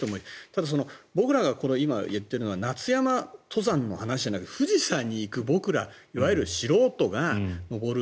ただ僕らが今言っているのは夏山登山の話じゃなくて富士山に行く僕ら僕ら、いわゆる素人が登る。